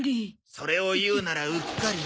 それを言うならうっかりな。